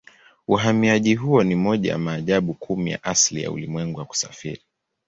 Uhamiaji huo ni moja ya maajabu kumi ya asili ya ulimwengu ya kusafiri.